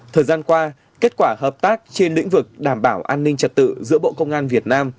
thời gian qua kết quả hợp tác trên lĩnh vực đảm bảo an ninh trật tự giữa bộ công an việt nam